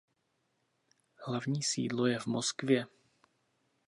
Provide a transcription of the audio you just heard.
Hlavní sídlo je v Moskvě.